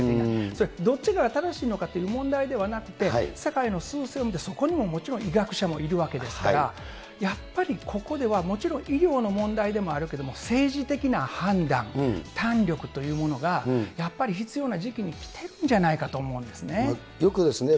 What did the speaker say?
それ、どっちが正しいのかっていう問題ではなくて、世界のすう勢を見て、そこにももちろん医学者もいるわけですから、やっぱりここでは、もちろん医療の問題でもあるけれども、政治的な判断、胆力というものが、やっぱり必要な時期に来てるんじゃないかと思うんですね。